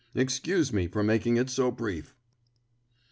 Excuse me for making it so brief."